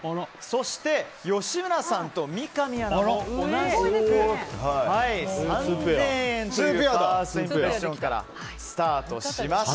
そして、吉村さんと三上アナも同じで３０００円というファーストインプレッションでスタートしました。